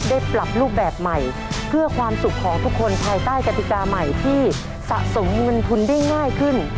ปรับรูปแบบใหม่เพื่อความสุขของทุกคนภายใต้กติกาใหม่ที่สะสมเงินทุนได้ง่ายขึ้น